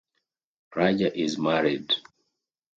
Raja is married.